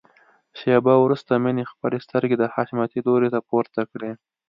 شېبه وروسته مينې خپلې سترګې د حشمتي لوري ته پورته کړې.